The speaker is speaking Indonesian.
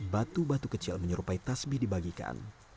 batu batu kecil menyerupai tasbih dibagikan